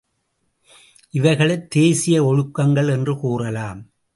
இவைகளைத் தேசீய ஒழுக்கங்கள் என்று கூறலாம்.